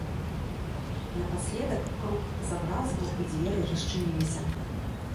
Напаследак крук забразгаў і дзверы расчыніліся.